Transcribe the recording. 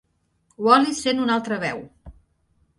Wally sent una altra veu.